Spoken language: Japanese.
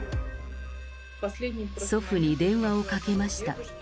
祖父に電話をかけました。